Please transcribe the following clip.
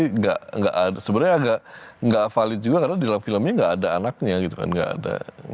jadi gak ada sebenarnya agak gak valid juga karena di dalam filmnya gak ada anaknya gitu kan